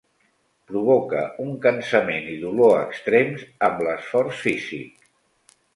Provoca un cansament i dolor extrems amb l'esforç físic.